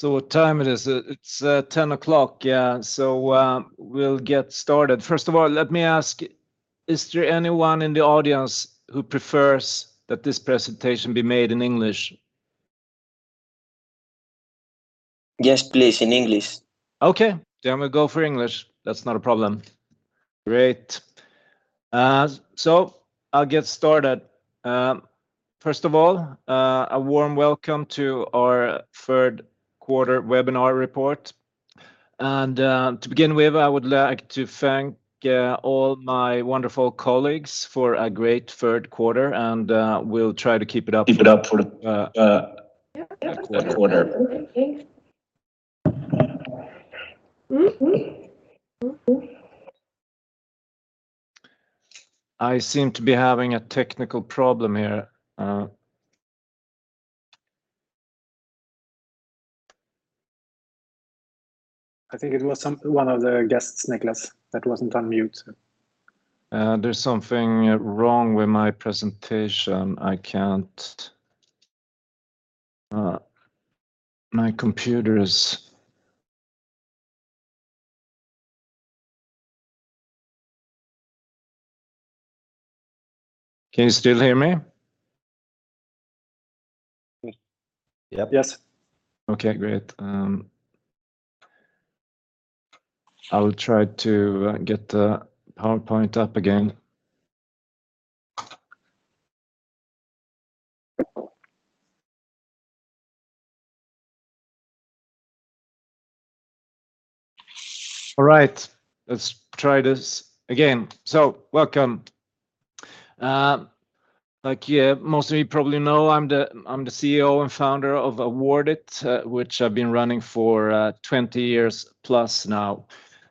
What time is it? It's 10:00. We'll get started. First of all, let me ask, is there anyone in the audience who prefers that this presentation be made in English? Yes, please, in English. Okay. We'll go for English. That's not a problem. Great. I'll get started. First of all, a warm welcome to our third quarter webinar report, and to begin with, I would like to thank all my wonderful colleagues for a great third quarter, and we'll try to keep it up for the quarter. I seem to be having a technical problem here. I think it was one of the guests, Niklas, that wasn't on mute. There's something wrong with my presentation. I can't. My computer is. Can you still hear me? Yep. Yes. Okay, great. I will try to get the PowerPoint up again. All right. Let's try this again. Welcome. Like, yeah, most of you probably know, I'm the CEO and Founder of Awardit, which I've been running for 20 years plus now.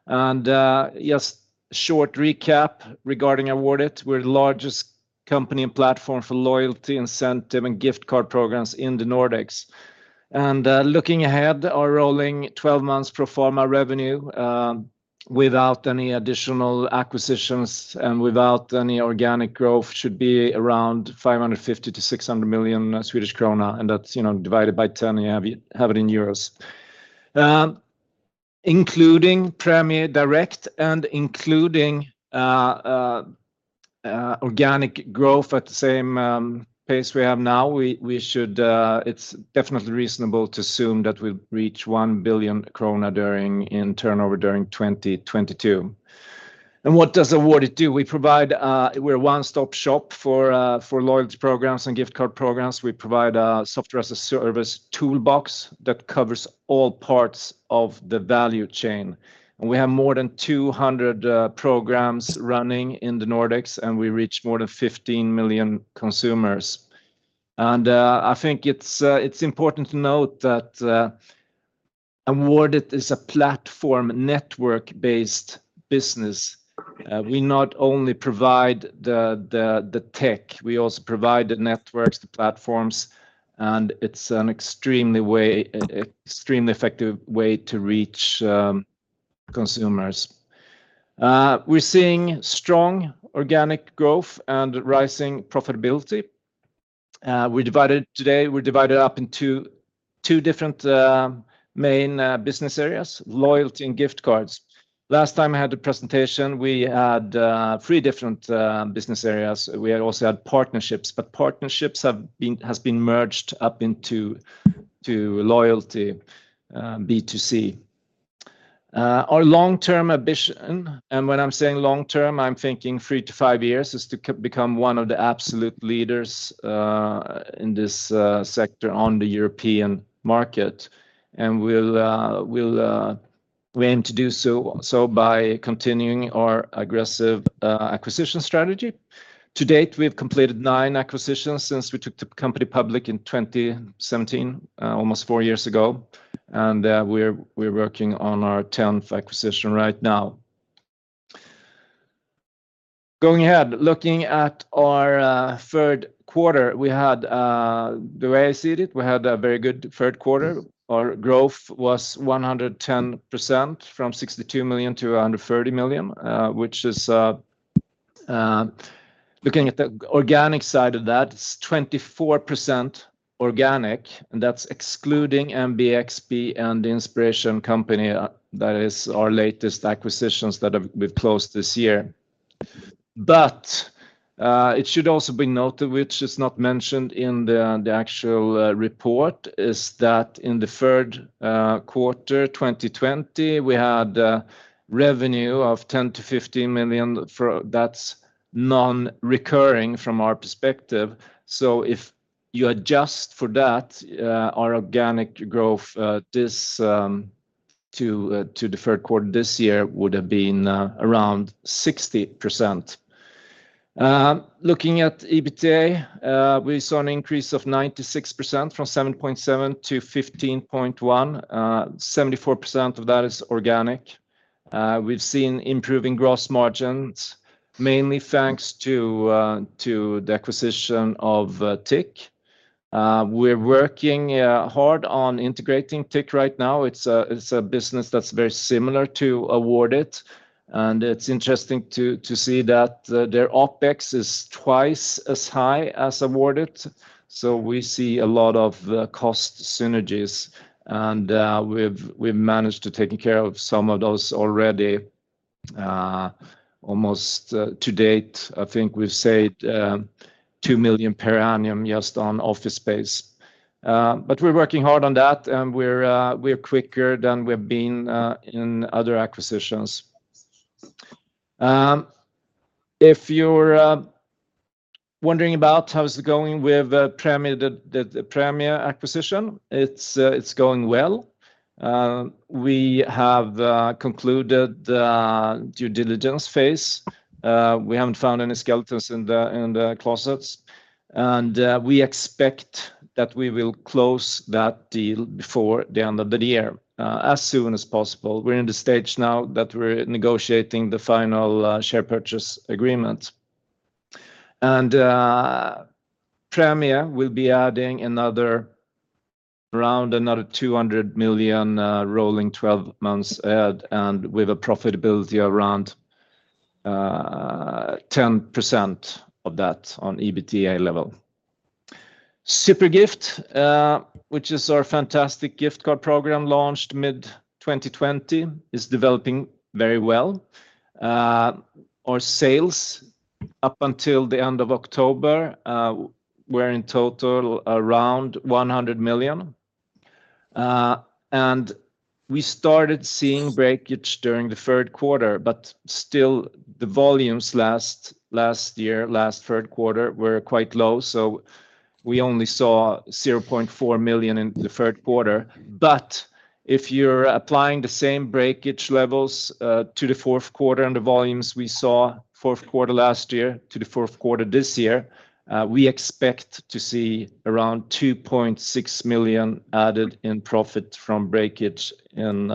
Just short recap regarding Awardit. We're the largest company and platform for loyalty, incentive, and gift card programs in the Nordics. Looking ahead, our rolling 12 months pro forma revenue without any additional acquisitions and without any organic growth should be around 550 million-600 million Swedish krona, and that's, you know, divided by 10, you have it in euros. Including Prämie Direkt and including organic growth at the same pace we have now, we should. It's definitely reasonable to assume that we'll reach 1 billion krona in turnover during 2022. What does Awardit do? We're a one-stop shop for loyalty programs and gift card programs. We provide a software as a service toolbox that covers all parts of the value chain, and we have more than 200 programs running in the Nordics, and we reach more than 15 million consumers. I think it's important to note that Awardit is a platform network-based business. We not only provide the tech, we also provide the networks, the platforms, and it's an extremely effective way to reach consumers. We're seeing strong organic growth and rising profitability. We're divided up into two different main business areas, loyalty and gift cards. Last time I had the presentation, we had three different business areas. We had partnerships, but partnerships have been merged into loyalty B2C. Our long-term ambition, and when I'm saying long-term, I'm thinking three to five years, is to become one of the absolute leaders in this sector on the European market, and we aim to do so by continuing our aggressive acquisition strategy. To date, we have completed nine acquisitions since we took the company public in 2017, almost four years ago, and we're working on our 10th acquisition right now. Going ahead, looking at our third quarter, the way I see it, we had a very good third quarter. Our growth was 110% from 62 million-130 million, which is looking at the organic side of that, it's 24% organic, and that's excluding MBXP and The Inspiration Company. That is our latest acquisitions that we've closed this year. It should also be noted, which is not mentioned in the actual report, is that in the third quarter 2020, we had revenue of 10 million-15 million. That's non-recurring from our perspective. If you adjust for that, our organic growth this to the third quarter this year would have been around 60%. Looking at EBITDA, we saw an increase of 96% from 7.7 million-15.1 million. 74% of that is organic. We've seen improving gross margins. Mainly thanks to the acquisition of Tix. We're working hard on integrating Tix right now. It's a business that's very similar to Awardit, and it's interesting to see that their OpEx is twice as high as Awardit. We see a lot of the cost synergies, and we've managed to taken care of some of those already. Almost to date, I think we've saved 2 million per annum just on office space. We're working hard on that, and we're quicker than we've been in other acquisitions. If you're wondering about how's it going with the Prämie, the Prämie acquisition, it's going well. We have concluded the due diligence phase. We haven't found any skeletons in the closets, and we expect that we will close that deal before the end of the year, as soon as possible. We're in the stage now that we're negotiating the final share purchase agreement. Prämie will be adding around another 200 million rolling 12 months ahead and with a profitability around 10% of that on EBITDA level. Zupergift, which is our fantastic gift card program launched mid-2020, is developing very well. Our sales up until the end of October were in total around 100 million. We started seeing breakage during the third quarter, but still the volumes last year's third quarter were quite low. We only saw 0.4 million in the third quarter. If you're applying the same breakage levels to the fourth quarter and the volumes we saw fourth quarter last year to the fourth quarter this year, we expect to see around 2.6 million added in profit from breakage in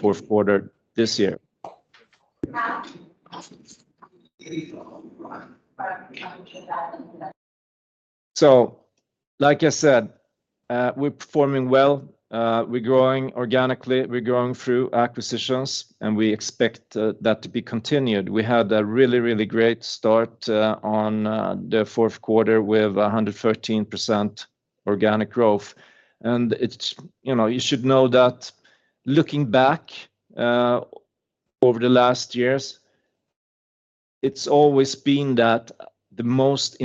fourth quarter this year. Like I said, we're performing well, we're growing organically, we're growing through acquisitions, and we expect that to be continued. We had a really great start on the fourth quarter with 113% organic growth. It's, you know, you should know that looking back over the last years, it's always been that the most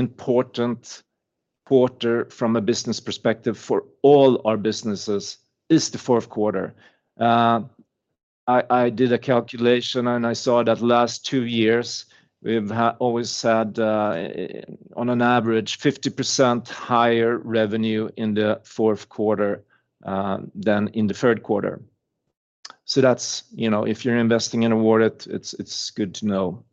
important quarter from a business perspective for all our businesses is the fourth quarter. I did a calculation, and I saw that last two years, we've always had, on an average 50% higher revenue in the fourth quarter than in the third quarter. That's, you know, if you're investing in Awardit, it's good to know.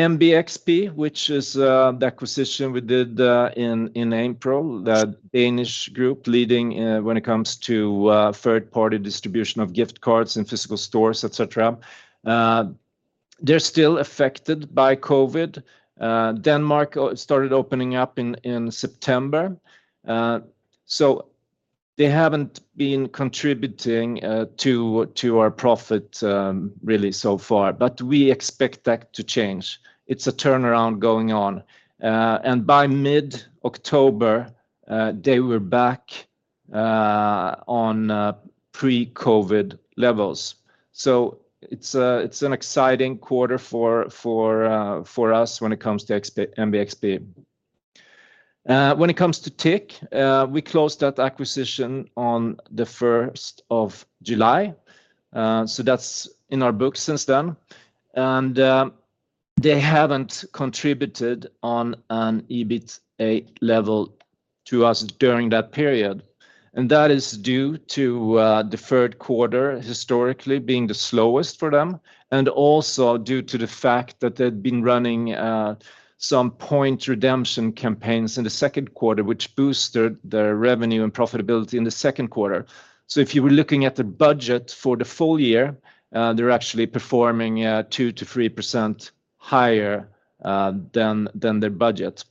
MBXP, which is the acquisition we did in April, the Danish group leading when it comes to third-party distribution of gift cards in physical stores, etc. They're still affected by COVID. Denmark started opening up in September. They haven't been contributing to our profit really so far, but we expect that to change. It's a turnaround going on. By mid-October, they were back on pre-COVID levels. It's an exciting quarter for us when it comes to MBXP. When it comes to Tix, we closed that acquisition on the first of July, so that's in our books since then. They haven't contributed on an EBITDA level to us during that period. That is due to the third quarter historically being the slowest for them, and also due to the fact that they've been running some point redemption campaigns in the second quarter, which boosted their revenue and profitability in the second quarter. If you were looking at the budget for the full year, they're actually performing 2%-3% higher than their budget.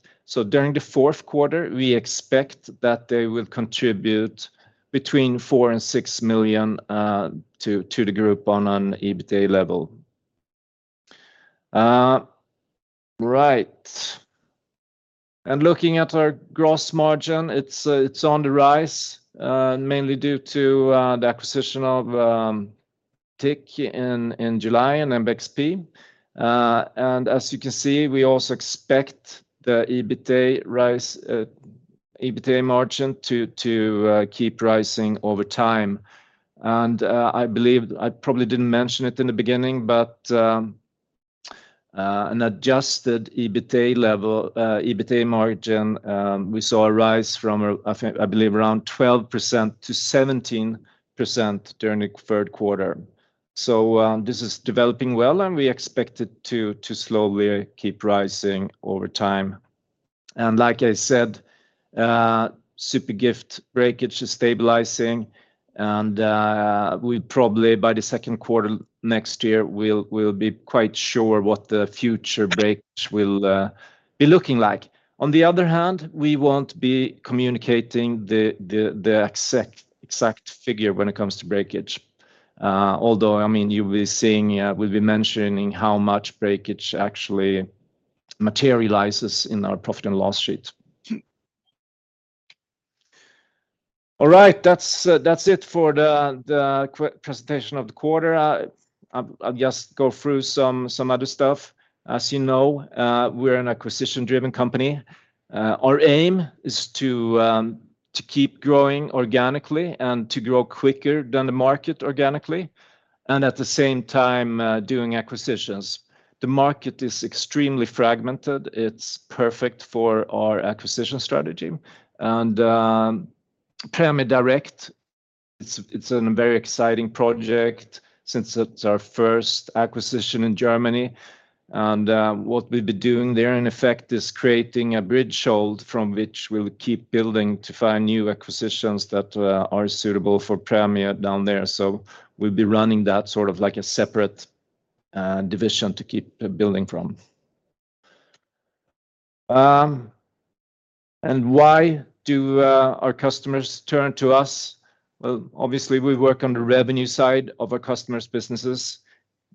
During the fourth quarter, we expect that they will contribute between 4 million and 6 million to the group on an EBITDA level. Right. Looking at our gross margin, it's on the rise mainly due to the acquisition of Tix in July and MBXP. As you can see, we also expect the EBITDA rise, EBITDA margin to keep rising over time. I believe I probably didn't mention it in the beginning, but an adjusted EBITDA level, EBITDA margin, we saw a rise from, I think, I believe, around 12%-17% during the third quarter. This is developing well, and we expect it to slowly keep rising over time. Like I said, Zupergift breakage is stabilizing, and we probably by the second quarter next year, we'll be quite sure what the future breakage will be looking like. On the other hand, we won't be communicating the exact figure when it comes to breakage. Although, I mean, you'll be seeing, yeah, we'll be mentioning how much breakage actually materializes in our profit and loss sheet. All right. That's it for the presentation of the quarter. I'll just go through some other stuff. As you know, we're an acquisition-driven company. Our aim is to keep growing organically and to grow quicker than the market organically and at the same time, doing acquisitions. The market is extremely fragmented. It's perfect for our acquisition strategy. Prämie Direkt, it's a very exciting project since it's our first acquisition in Germany. What we've been doing there, in effect, is creating a bridgehead from which we'll keep building to find new acquisitions that are suitable for Prämie down there. We'll be running that sort of like a separate division to keep building from. Why do our customers turn to us? Well, obviously, we work on the revenue side of our customers' businesses.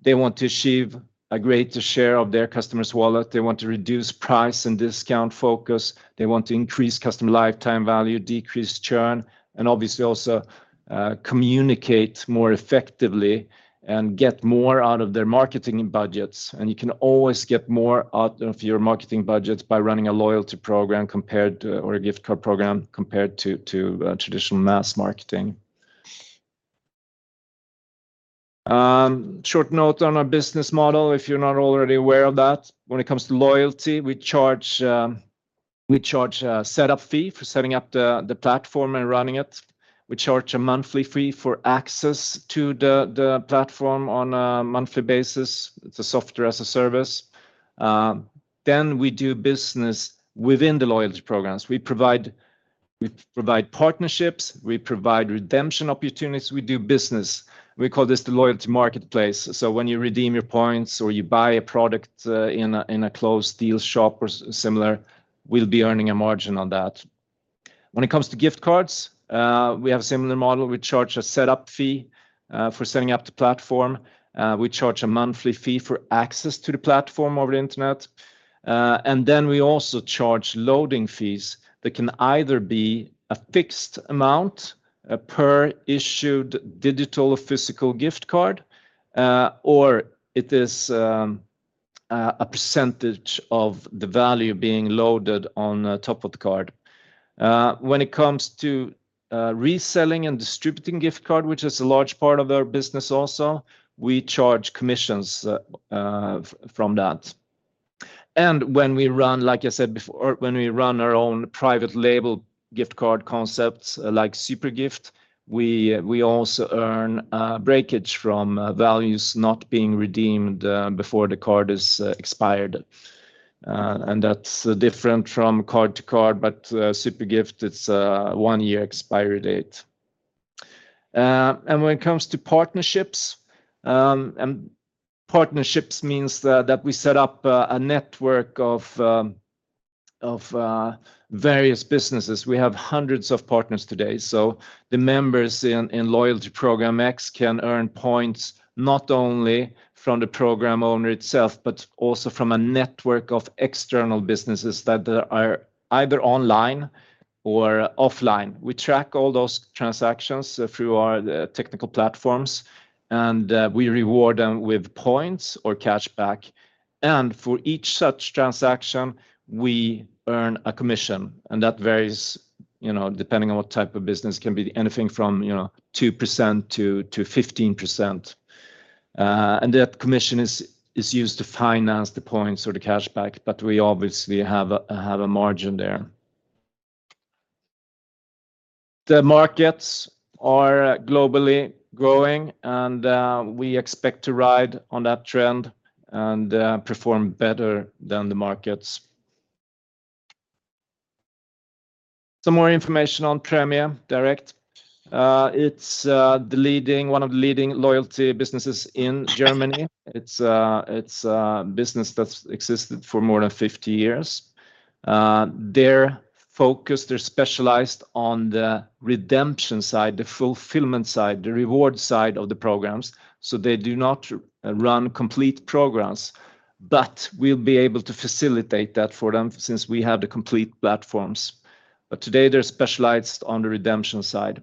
They want to achieve a greater share of their customers' wallet. They want to reduce price and discount focus. They want to increase customer lifetime value, decrease churn, and obviously also communicate more effectively and get more out of their marketing budgets. You can always get more out of your marketing budgets by running a loyalty program compared to or a gift card program compared to traditional mass marketing. Short note on our business model, if you're not already aware of that. When it comes to loyalty, we charge a setup fee for setting up the platform and running it. We charge a monthly fee for access to the platform on a monthly basis. It's a software as a service. Then we do business within the loyalty programs. We provide partnerships. We provide redemption opportunities. We do business. We call this the loyalty marketplace. So when you redeem your points or you buy a product in a closed deal shop or similar, we'll be earning a margin on that. When it comes to gift cards, we have a similar model. We charge a setup fee for setting up the platform. We charge a monthly fee for access to the platform over the internet. We also charge loading fees that can either be a fixed amount per issued digital or physical gift card, or it is a percentage of the value being loaded on the top of the card. When it comes to reselling and distributing gift card, which is a large part of our business also, we charge commissions from that. When we run our own private label gift card concepts like Zupergift, we also earn breakage from values not being redeemed before the card is expired. That's different from card to card, but Zupergift, it's a one-year expiry date. When it comes to partnerships means that we set up a network of various businesses. We have hundreds of partners today. The members in Loyalty Program X can earn points not only from the program owner itself but also from a network of external businesses that are either online or offline. We track all those transactions through our technical platforms, and we reward them with points or cashback. For each such transaction, we earn a commission, and that varies, you know, depending on what type of business. It can be anything from, you know, 2%-15%. That commission is used to finance the points or the cashback, but we obviously have a margin there. The markets are globally growing, and we expect to ride on that trend and perform better than the markets. Some more information on Prämie Direkt. It's one of the leading loyalty businesses in Germany. It's a business that's existed for more than 50 years. They're focused, they're specialized on the redemption side, the fulfillment side, the reward side of the programs, so they do not run complete programs. But we'll be able to facilitate that for them since we have the complete platforms. But today, they're specialized on the redemption side.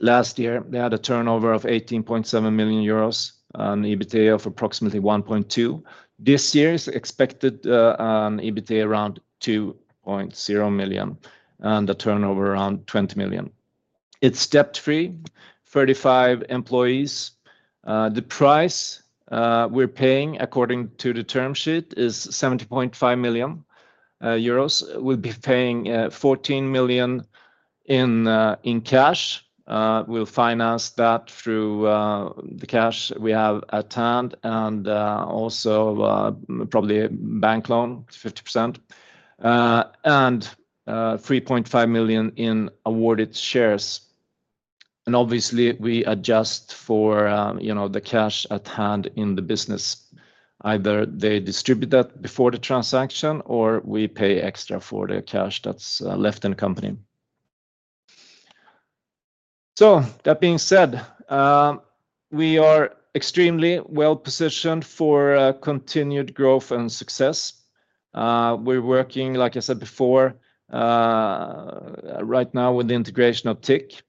Last year, they had a turnover of 18.7 million euros, EBITA of approximately 1.2 million. This year's expected EBITA around 2.0 million, and the turnover around 20 million. It's debt-free, 35 employees. The price we're paying according to the term sheet is 70.5 million euros. We'll be paying 14 million in cash. We'll finance that through the cash we have at hand and also probably a bank loan, 50%. And 3.5 million in Awardit shares. Obviously, we adjust for you know the cash at hand in the business. Either they distribute that before the transaction, or we pay extra for the cash that's left in the company. That being said, we are extremely well-positioned for continued growth and success. We're working, like I said before, right now with the integration of Tix.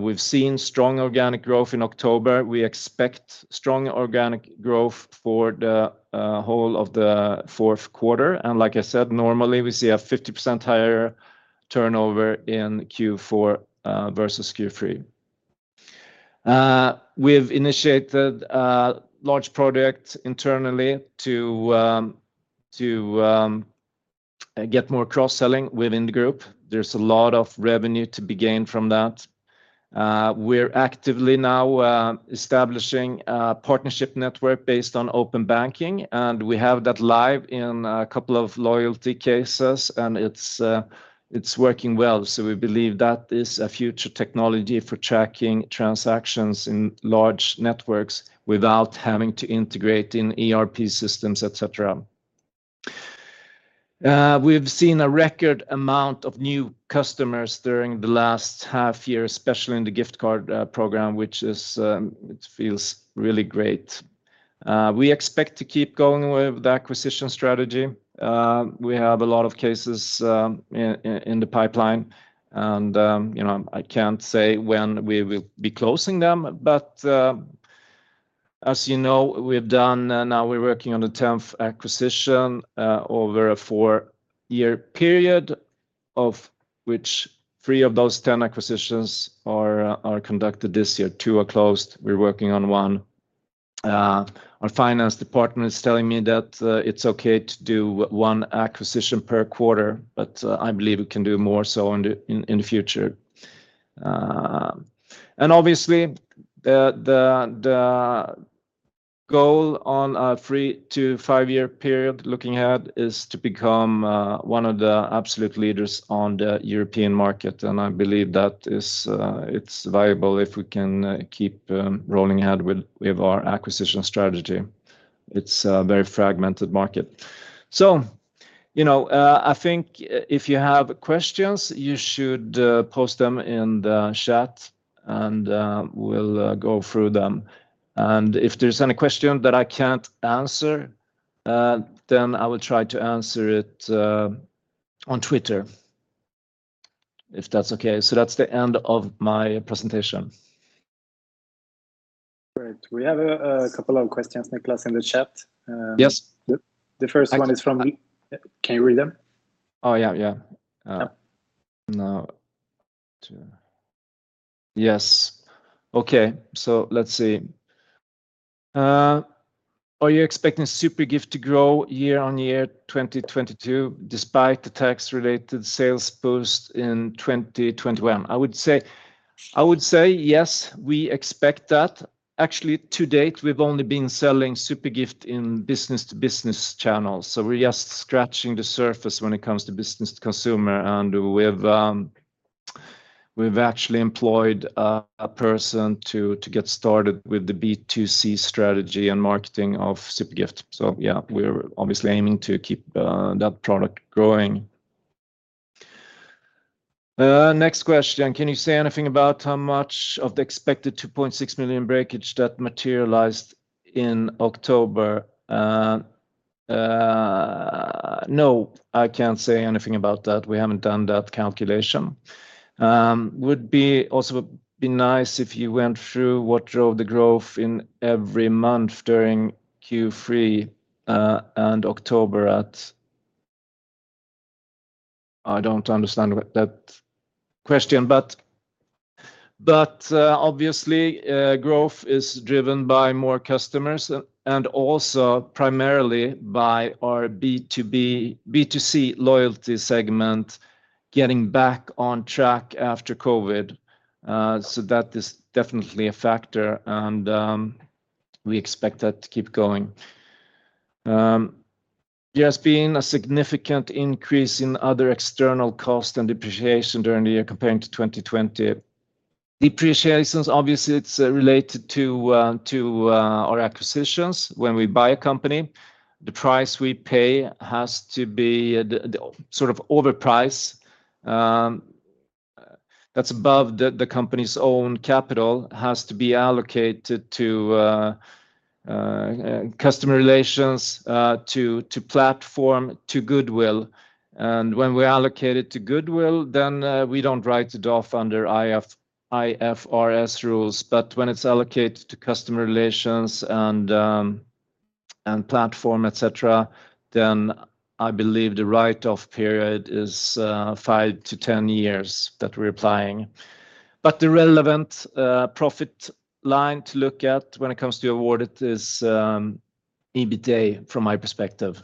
We've seen strong organic growth in October. We expect strong organic growth for the whole of the fourth quarter. Like I said, normally, we see a 50% higher turnover in Q4 versus Q3. We've initiated a large project internally to get more cross-selling within the group. There's a lot of revenue to be gained from that. We're actively now establishing a partnership network based on open banking, and we have that live in a couple of loyalty cases, and it's working well. We believe that is a future technology for tracking transactions in large networks without having to integrate in ERP systems, et cetera. We've seen a record amount of new customers during the last half year, especially in the gift card program, which, it feels, really great. We expect to keep going with the acquisition strategy. We have a lot of cases in the pipeline. You know, I can't say when we will be closing them. As you know, we've done, and now we're working on the 10th acquisition over a four year period, of which three of those 10 acquisitions are conducted this year. Two are closed. We're working on one. Our finance department is telling me that it's okay to do one acquisition per quarter, but I believe we can do more so in the future. Obviously, the goal on a three-five year period looking ahead is to become one of the absolute leaders on the European market, and I believe that is viable if we can keep rolling ahead with our acquisition strategy. It's a very fragmented market. You know, I think if you have questions, you should post them in the chat, and we'll go through them. If there's any question that I can't answer, then I will try to answer it on Twitter if that's okay. That's the end of my presentation. Great. We have a couple of questions, Niklas, in the chat. Yes. The first one is from. Can you read them? Oh, yeah. Yes. Okay. Let's see. Are you expecting Zupergift to grow year-on-year 2022 despite the tax-related sales boost in 2021? I would say yes, we expect that. Actually, to date, we've only been selling Zupergift in business-to-business channels, so we're just scratching the surface when it comes to business-to-consumer. We've actually employed a person to get started with the B2C strategy and marketing of Zupergift. Yeah, we're obviously aiming to keep that product growing. Next question. Can you say anything about how much of the expected 2.6 million breakage that materialized in October? No, I can't say anything about that. We haven't done that calculation. Would also be nice if you went through what drove the growth in every month during Q3, and October at... I don't understand that question. Obviously, growth is driven by more customers and also primarily by our B2B, B2C loyalty segment getting back on track after COVID. That is definitely a factor, and we expect that to keep going. There's been a significant increase in other external costs and depreciation during the year compared to 2020. Depreciation's obviously related to our acquisitions. When we buy a company, the price we pay has to be the sort of overprice that's above the company's own capital has to be allocated to customer relations, to platform, to goodwill. When we allocate it to goodwill, we don't write it off under IFRS rules. When it's allocated to customer relations and platform, et cetera, then I believe the write-off period is five-10 years that we're applying. The relevant profit line to look at when it comes to Awardit is EBITDA from my perspective.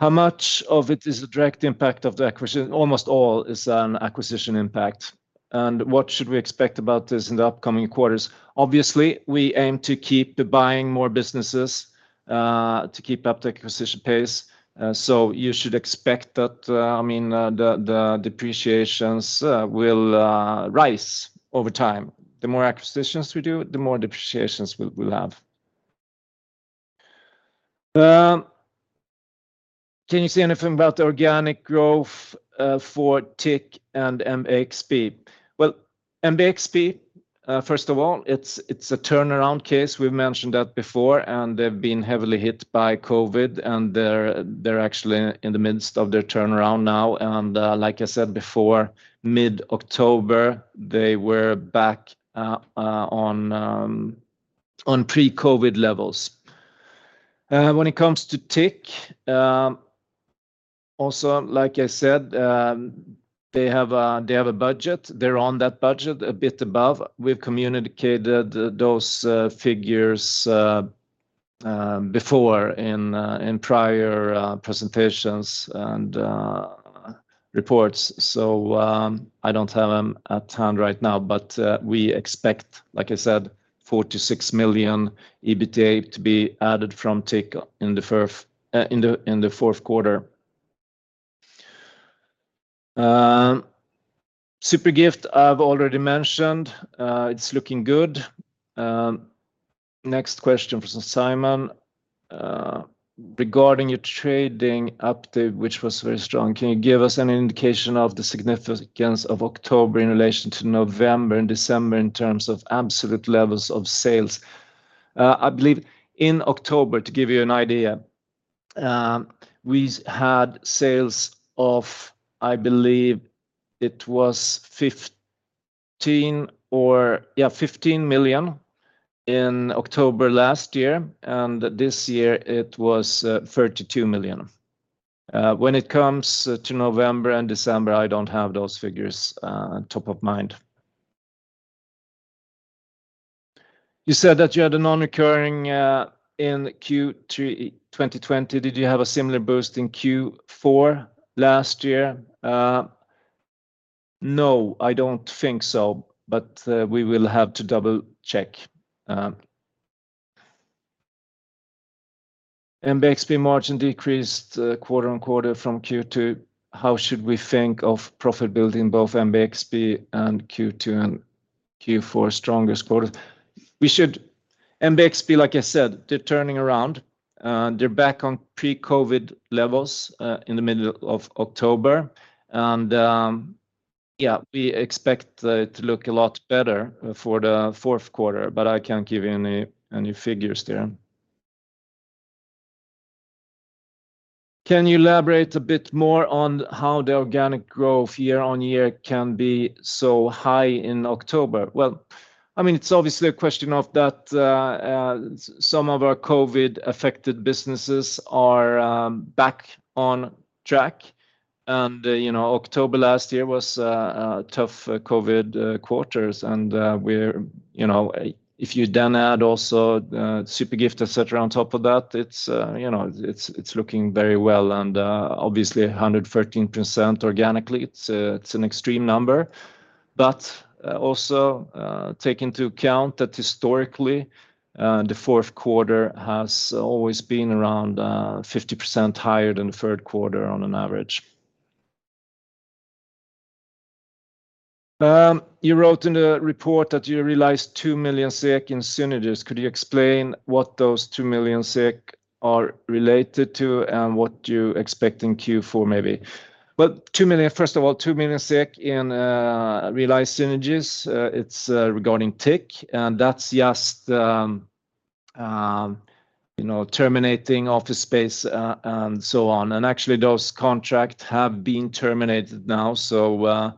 How much of it is a direct impact of the acquisition? Almost all is an acquisition impact. What should we expect about this in the upcoming quarters? Obviously, we aim to keep buying more businesses to keep up the acquisition pace. You should expect that, I mean, the depreciations will rise over time. The more acquisitions we do, the more depreciations we'll have. Can you say anything about the organic growth for Tix and MBXP? Well, MBXP first of all, it's a turnaround case. We've mentioned that before, and they've been heavily hit by COVID, and they're actually in the midst of their turnaround now. Like I said before, mid-October, they were back on pre-COVID levels. When it comes to Tix, also, like I said, they have a budget. They're on that budget, a bit above. We've communicated those figures before in prior presentations and reports. I don't have them at hand right now, but we expect, like I said, 4 million-6 million EBITDA to be added from Tix in the fourth quarter. Zupergift I've already mentioned. It's looking good. Next question from Simon. Regarding your trading update, which was very strong, can you give us an indication of the significance of October in relation to November and December in terms of absolute levels of sales? I believe in October, to give you an idea, we had sales of 15 million in October last year, and this year it was SEK 32 million. When it comes to November and December, I don't have those figures top of mind. You said that you had a non-recurring in Q3 2020. Did you have a similar boost in Q4 last year? No, I don't think so, but we will have to double-check. MBXP margin decreased quarter-on-quarter from Q2. How should we think of profitability in both MBXP and Q2 and Q4 strongest quarter? MBXP, like I said, they're turning around. They're back on pre-COVID levels in the middle of October. Yeah, we expect it to look a lot better for the fourth quarter, but I can't give you any figures there. Can you elaborate a bit more on how the organic growth year-on-year can be so high in October? Well, I mean, it's obviously a question of that some of our COVID-affected businesses are back on track. You know, October last year was a tough COVID quarter. If you then add also Zupergift, et cetera, on top of that, it's you know, it's looking very well. Obviously 113% organically, it's an extreme number. Also, take into account that historically, the fourth quarter has always been around 50% higher than the third quarter on an average. You wrote in the report that you realized 2 million SEK in synergies. Could you explain what those 2 million SEK are related to and what you expect in Q4 maybe? Well, 2 million, first of all, in realized synergies, it's regarding Tix, and that's just, you know, terminating office space, and so on. Actually, those contracts have been terminated now, so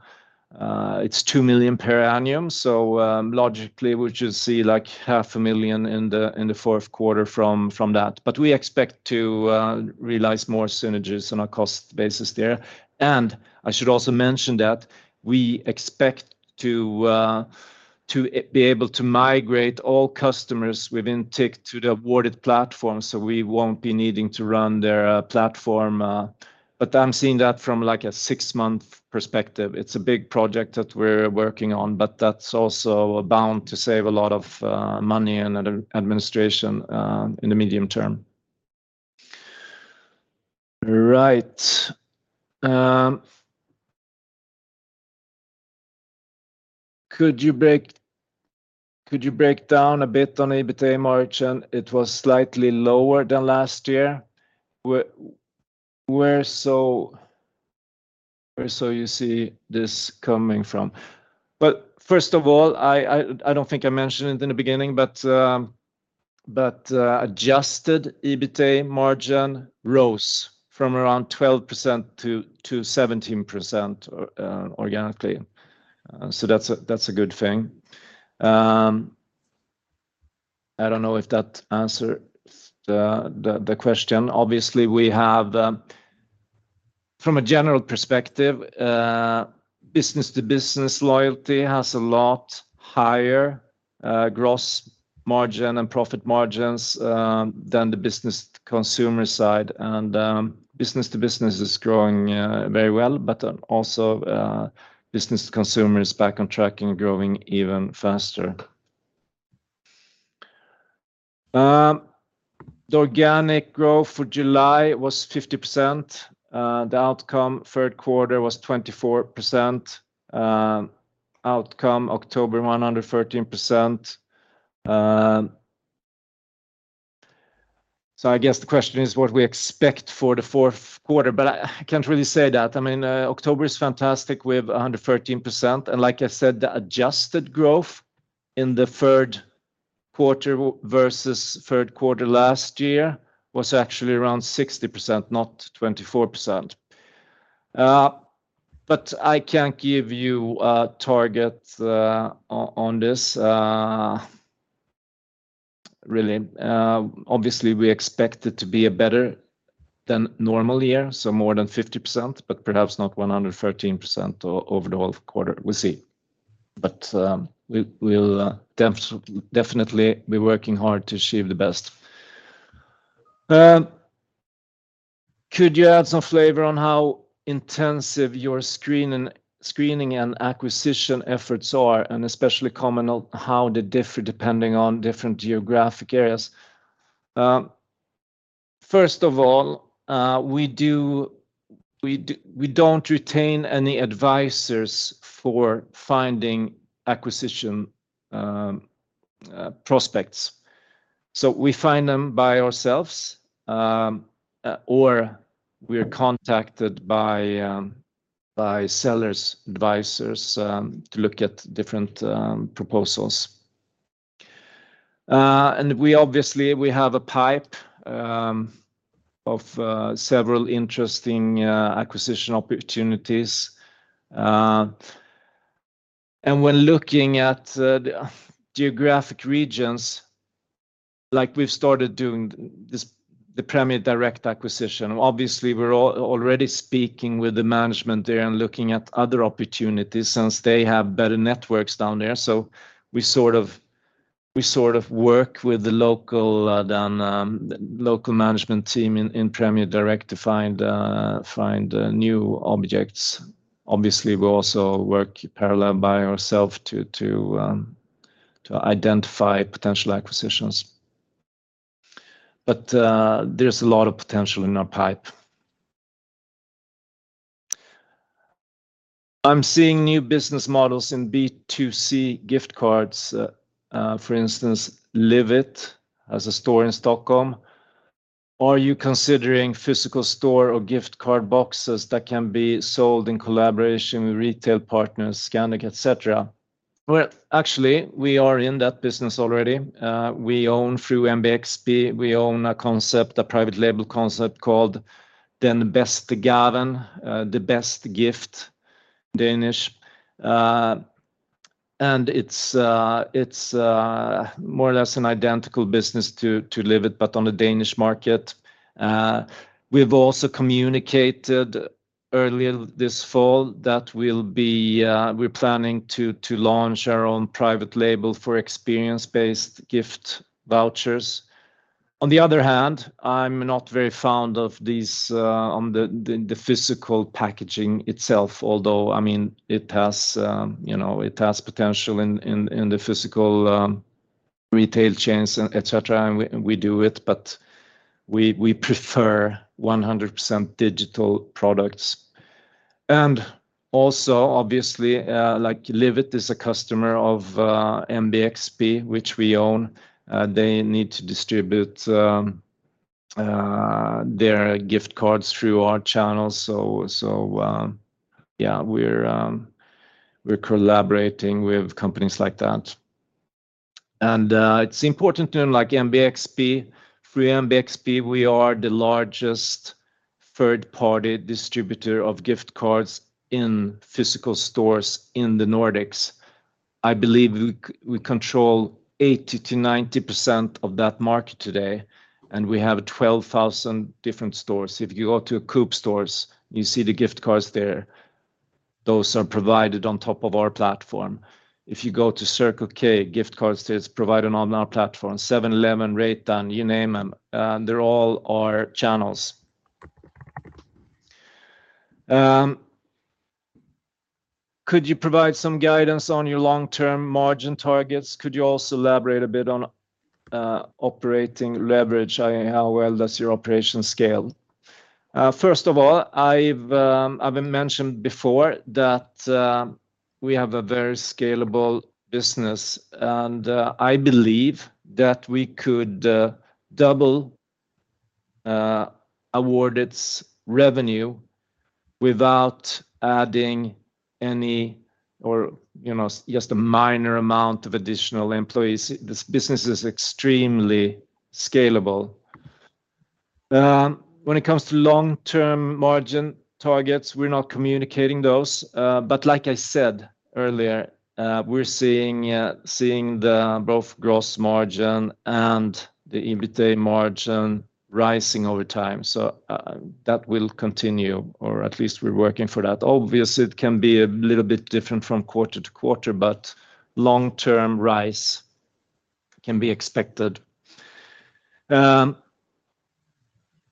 it's 2 million per annum. Logically, we should see like SEK half a million in the fourth quarter from that. We expect to realize more synergies on a cost basis there. I should also mention that we expect to be able to migrate all customers within Tix to the Awardit platform, so we won't be needing to run their platform. But I'm seeing that from like a six-month perspective. It's a big project that we're working on, but that's also bound to save a lot of money and administration in the medium term. Right. Could you break down a bit on the EBITDA margin? It was slightly lower than last year. Where do you see this coming from? Well, first of all, I don't think I mentioned it in the beginning, but adjusted EBITDA margin rose from around 12%-17% organically. So that's a good thing. I don't know if that answers the question. Obviously, from a general perspective, business-to-business loyalty has a lot higher gross margin and profit margins than the business-to-consumer side. Business-to-business is growing very well, but also business-to-consumer is back on track and growing even faster. The organic growth for July was 50%. The outcome third quarter was 24%. Outcome October 113%. I guess the question is what we expect for the fourth quarter, but I can't really say that. I mean, October is fantastic. We have 113%, and like I said, the adjusted growth in the third quarter versus third quarter last year was actually around 60%, not 24%. I can't give you a target on this really. Obviously we expect it to be a better than normal year, so more than 50%, but perhaps not 113% over the whole quarter. We'll see. We'll definitely be working hard to achieve the best. Could you add some flavor on how intensive your screening and acquisition efforts are, and especially comment on how they differ depending on different geographic areas? First of all, we don't retain any advisors for finding acquisition prospects. We find them by ourselves, or we're contacted by sellers' advisors to look at different proposals. We obviously have a pipeline of several interesting acquisition opportunities. When looking at geographic regions, like we've started doing this, the Prämie Direkt acquisition, obviously we're already speaking with the management there and looking at other opportunities since they have better networks down there. We sort of work with the local management team in Prämie Direkt to find new targets. Obviously, we also work parallel by ourselves to identify potential acquisitions. There's a lot of potential in our pipeline. I'm seeing new business models in B2C gift cards, for instance, Live it has a store in Stockholm. Are you considering physical store or gift card boxes that can be sold in collaboration with retail partners, Scandic, et cetera? Well, actually, we are in that business already. We own, through MBXP, a concept, a private label concept called Den bedste gave, The Best Gift, Danish. It's more or less an identical business to Live it, but on a Danish market. We've also communicated earlier this fall that we're planning to launch our own private label for experience-based gift vouchers. On the other hand, I'm not very fond of these on the physical packaging itself, although, I mean, it has, you know, it has potential in the physical retail chains and et cetera, and we do it, but we prefer 100% digital products. Also obviously, like Live it is a customer of MBXP, which we own. They need to distribute their gift cards through our channels. Yeah, we're collaborating with companies like that. It's important to note like MBXP, through MBXP, we are the largest third-party distributor of gift cards in physical stores in the Nordics. I believe we control 80%-90% of that market today, and we have 12,000 different stores. If you go to Coop stores and you see the gift cards there, those are provided on top of our platform. If you go to Circle K, gift cards there is provided on our platform. 7-Eleven, Reitan, you name them, they're all our channels. Could you provide some guidance on your long-term margin targets? Could you also elaborate a bit on operating leverage? I.e., how well does your operation scale? First of all, I've mentioned before that we have a very scalable business, and I believe that we could double Awardit's revenue without adding any or, you know, just a minor amount of additional employees. This business is extremely scalable. When it comes to long-term margin targets, we're not communicating those. But like I said earlier, we're seeing the both gross margin and the EBITA margin rising over time. That will continue, or at least we're working for that. Obviously, it can be a little bit different from quarter to quarter, but long-term rise can be expected.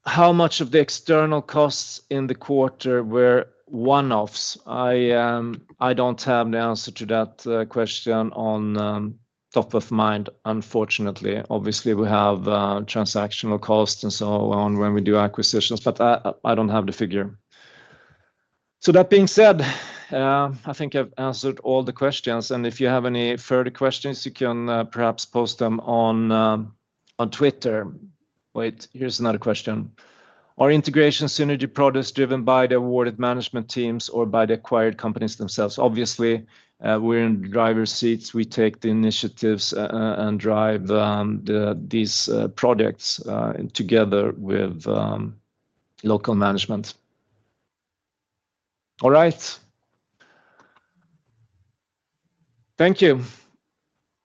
How much of the external costs in the quarter were one-offs? I don't have the answer to that question on top of mind, unfortunately. Obviously, we have transactional costs and so on when we do acquisitions, but I don't have the figure. That being said, I think I've answered all the questions, and if you have any further questions, you can perhaps post them on Twitter. Wait, here's another question. Are integration synergy products driven by the Awardit management teams or by the acquired companies themselves? Obviously, we're in driver's seats. We take the initiatives and drive these products together with local management. All right. Thank you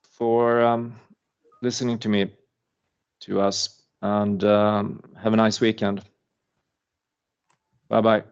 for listening to me, to us, and have a nice weekend. Bye-bye.